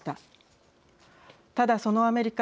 ただそのアメリカ